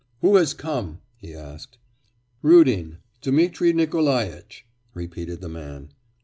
'Who has come?' he asked. 'Rudin, Dmitri Nikolaitch,' repeated the man.